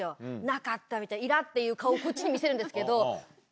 なかったイラっていう顔をこっちに見せるんですけど。